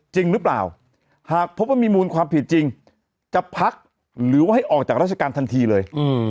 จริงหรือเปล่าหากพบว่ามีมูลความผิดจริงจะพักหรือว่าให้ออกจากราชการทันทีเลย